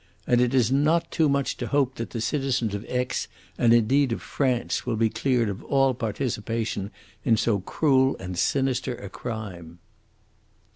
And it is not too much to hope that the citizens of Aix, and indeed of France, will be cleared of all participation in so cruel and sinister a crime."